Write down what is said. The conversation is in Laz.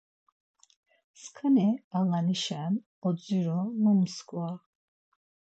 Skani ağanişen odziru mu mskva .